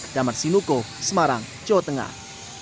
damar sinuko semarang jawa tengah